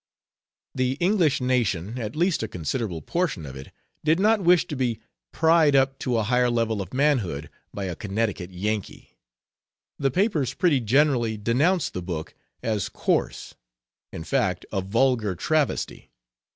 The English nation, at least a considerable portion of it, did not wish to be "pried up to a higher level of manhood" by a Connecticut Yankee. The papers pretty generally denounced the book as coarse; in fact, a vulgar travesty.